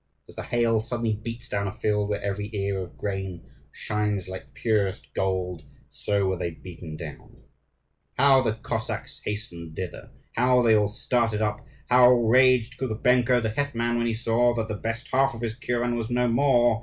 As the hail suddenly beats down a field where every ear of grain shines like purest gold, so were they beaten down. How the Cossacks hastened thither! How they all started up! How raged Kukubenko, the hetman, when he saw that the best half of his kuren was no more!